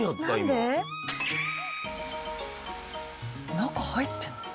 中入ってるの？